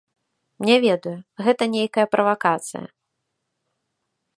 Не ведаю, гэта нейкая правакацыя.